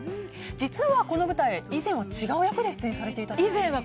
実はこの舞台、以前は違う役で出演されていたんですか。